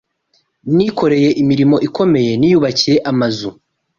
Nikoreye imirimo ikomeye niyubakiye amazu